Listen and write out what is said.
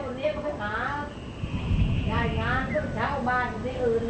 แล้วถ้าเจ้าบ้านที่อื่นแล้วแล้วถ้าเจ้าบ้านที่อื่นแล้ว